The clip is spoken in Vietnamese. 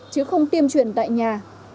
chứ không tiêm truyền tại nhà